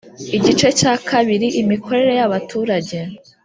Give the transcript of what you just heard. Igice cya kabiri Imikorere ya baturage